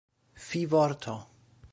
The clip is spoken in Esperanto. fivorto